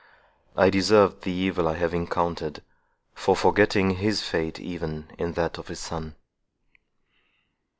I deserved the evil I have encountered, for forgetting his fate even in that of his son!"